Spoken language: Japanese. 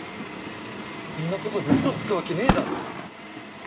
こんなことでうそつくわけねぇだろ。